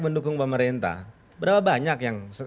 mendukung pemerintah berapa banyak yang